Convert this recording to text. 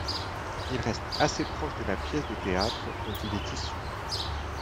Il reste assez proche de la pièce de théâtre dont il est issu.